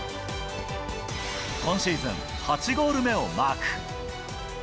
今シーズン８ゴール目をマーク。